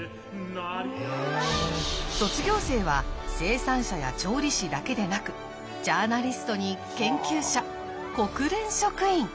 卒業生は生産者や調理師だけでなくジャーナリストに研究者国連職員！